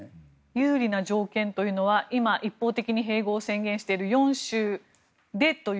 有利な条件というのは今、一方的に併合を宣言している４州でという。